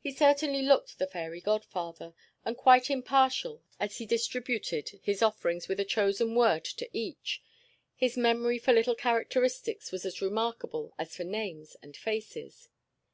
He certainly looked the fairy godfather, and quite impartial as he distributed his offerings with a chosen word to each; his memory for little characteristics was as remarkable as for names and faces.